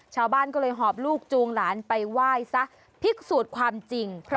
ชาวบ้านก็เลยหอบลูกจูงหลานไปไหว้ซะพิสูจน์ความจริง